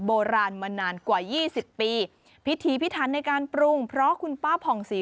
โบราณมานานกว่ายี่สิบปีพิธีพิธันในการปรุงเพราะคุณป้าผ่องศรี